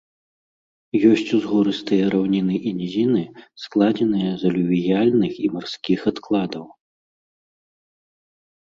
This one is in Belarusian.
Ёсць узгорыстыя раўніны і нізіны, складзеныя з алювіяльных і марскіх адкладаў.